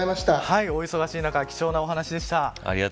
お忙しい中貴重なお話でした。